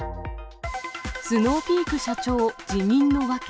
スノーピーク社長、辞任の訳。